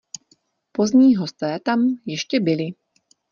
Pozdní hosté tam ještě byli.